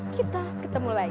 kita ketemu lagi